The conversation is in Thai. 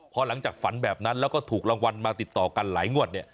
พอหลังจากฝันแบบนั้นแล้วก็ถูกรางวัลมาติดต่อกันหลายงวดเนี่ย